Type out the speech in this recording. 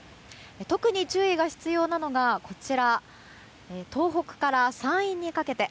特に注意が必要なのが東北から山陰にかけて。